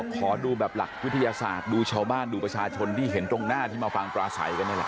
ขอดูแบบหลักวิทยาศาสตร์ดูชาวบ้านดูประชาชนที่เห็นตรงหน้าที่มาฟังปลาใสกันนี่แหละ